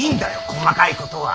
細かいことは。